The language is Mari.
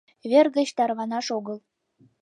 - Вер гыч тарванаш огыл!